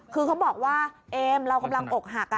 คือเขาบอกว่าเอมเรากำลังอกหัก